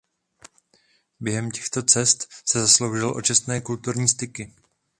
Během těchto cest se zasloužil o četné kulturní styky.